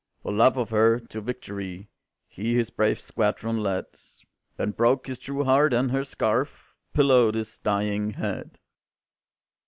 "For love of her, to victory He his brave squadron led, Then broke his true heart, and her scarf Pillowed his dying head.